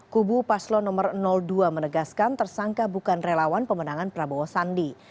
kubu paslo nomor dua menegaskan tersangka bukan relawan pemenangan prabowo sandi